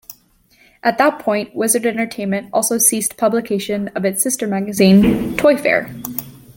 At that point Wizard Entertainment also ceased publication of its sister magazine, "Toyfare".